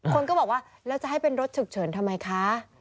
คนก็บอกว่าแล้วจะให้เป็นรถฉุกเฉินทำไมคะ